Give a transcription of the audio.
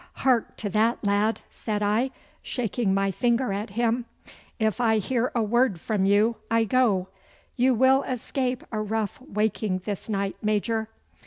'Hark to that, lad!' said I, shaking my finger at him. 'If I hear a word from you I go. You will escape a rough waking this night, Major.